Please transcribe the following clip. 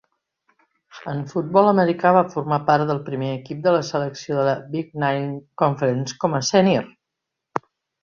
En futbol americà, va formar part del primer equip de la selecció de la Big Nine Conference com a sénior.